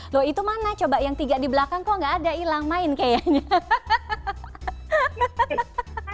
loh itu mana coba yang tiga di belakang kok gak ada hilang main kayaknya